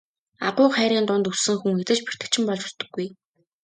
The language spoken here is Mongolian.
Агуу их хайрын дунд өссөн хүн хэзээ ч бэртэгчин болж өсдөггүй.